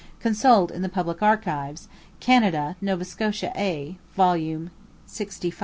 Consult, in the Public Archives, Canada, Nova Scotia A, vol. lxv.